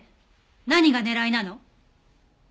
何が狙いなの？